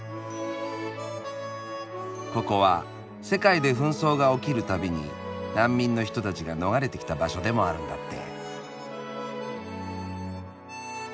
ここは世界で紛争が起きるたびに難民の人たちが逃れてきた場所でもあるんだって。